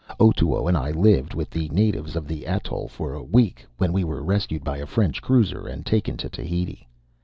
Otoo and I lived with the natives of the atoll for a week, when we were rescued by the French cruiser and taken to Tahiti.